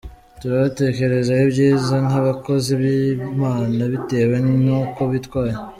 Turabatekerezaho ibyiza nk’abakozi b’Imana bitewe n’uko bitwaye.